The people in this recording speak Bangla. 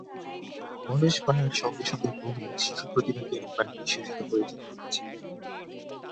বয়স বাড়ার সঙ্গে সঙ্গে বহু শিশুপ্রতিভাকে আমরা নিঃশেষিত হয়ে যেতে দেখেছি।